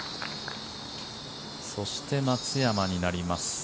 そして松山になります。